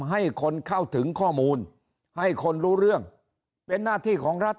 ให้คนเข้าถึงข้อมูลให้คนรู้เรื่องเป็นหน้าที่ของรัฐ